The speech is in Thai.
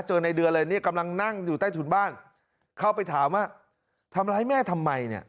ในเดือนเลยเนี่ยกำลังนั่งอยู่ใต้ถุนบ้านเข้าไปถามว่าทำร้ายแม่ทำไมเนี่ย